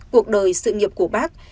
cuộc đời sự nghiệp của bác